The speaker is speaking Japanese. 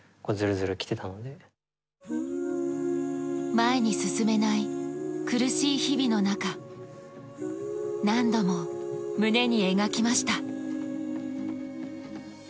前に進めない苦しい日々の中、何度も胸に描きました。